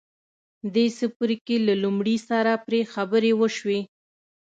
دې څپرکي له لومړي سره پرې خبرې وشوې.